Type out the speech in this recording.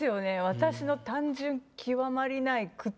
私の単純極まりない句と。